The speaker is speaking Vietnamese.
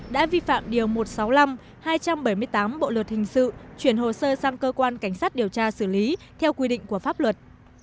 đã vi phạm điều một trăm sáu mươi năm hai trăm bảy mươi tám bộ luật hình sự chuyển hồ sơ sang cơ quan cảnh sát điều tra xử lý theo quy định của pháp luật